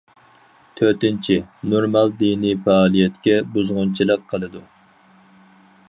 تۆتىنچى، نورمال دىنىي پائالىيەتكە بۇزغۇنچىلىق قىلىدۇ.